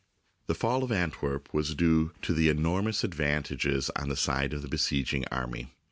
The fall of Antwerp was due to the enormous advantages on the side of the besieging army.